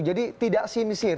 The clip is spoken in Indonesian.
jadi tidak sinisir